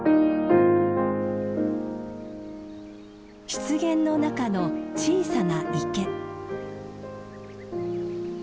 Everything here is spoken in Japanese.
湿原の中の小さな池。